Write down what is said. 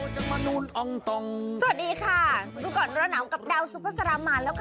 สวัสดีค่ะดูฝนหนาวกับดาวซุฟะสระมารแล้ว